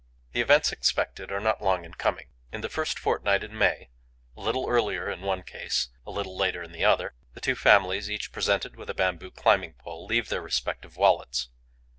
The events expected are not long in coming. In the first fortnight in May, a little earlier in one case, a little later in the other, the two families, each presented with a bamboo climbing pole, leave their respective wallets.